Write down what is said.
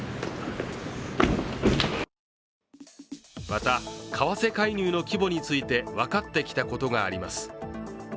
また為替介入の規模について、分かってきたことがあります。